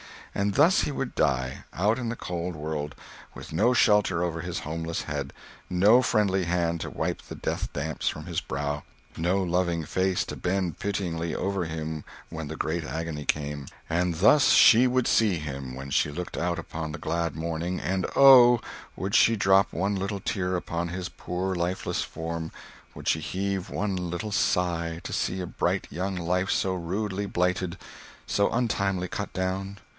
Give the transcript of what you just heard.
And thus he would die—out in the cold world, with no shelter over his homeless head, no friendly hand to wipe the death damps from his brow, no loving face to bend pityingly over him when the great agony came. And thus she would see him when she looked out upon the glad morning, and oh! would she drop one little tear upon his poor, lifeless form, would she heave one little sigh to see a bright young life so rudely blighted, so untimely cut down?